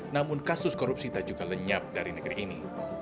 namun kasus korupsi tak juga lenyap dari negeri ini